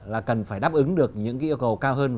là cần phải đáp ứng được những cái yêu cầu cao hơn